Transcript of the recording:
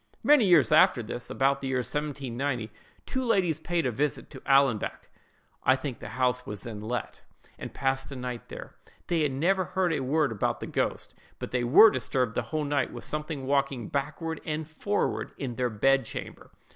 "Many years after this, about the year 1790, two ladies paid a visit at Allanbank—I think the house was then let—and passed a night there. They had never heard a word about the ghost; but they were disturbed the whole night with something walking backward and forward in their bed chamber.